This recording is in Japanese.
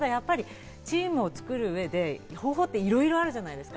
チームを作る上で方法っていっぱいあるじゃないですか。